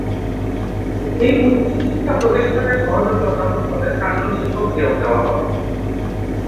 এই উচ্চ শিক্ষাপ্রতিষ্ঠানে সহযোগী অধ্যাপক পদে চারজন শিক্ষক নিয়োগ দেওয়া হবে।